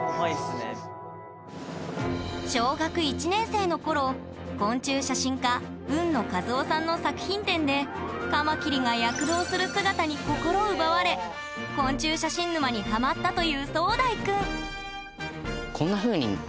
小学１年生の頃昆虫写真家海野和男さんの作品展でカマキリが躍動する姿に心を奪われ昆虫写真沼にハマったという壮大くん